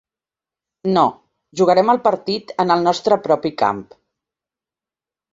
No, jugarem el partit en el nostre propi camp.